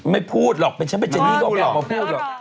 ไม่พูดหรอกเป็นฉันเป็นเจนนี่ก็ออกมาพูด